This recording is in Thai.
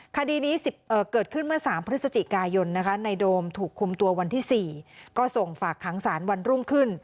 คดีนี้เกิดขึ้นเมื่อ๓พฤศจิกายนในโดมถูกคุมตัววันที่๔ก็ส่งฝากขังสารวันรุ่งขึ้น